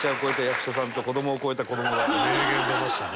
名言出ましたね。